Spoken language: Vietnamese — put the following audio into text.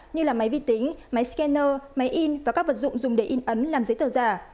như máy vi tính máy scanner máy in và các vật dụng dùng để in ấn làm giấy tờ giả